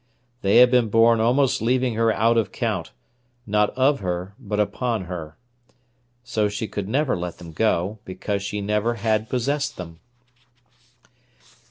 They had been born almost leaving her out of count, not of her, but upon her. So she could never let them go, because she never had possessed them.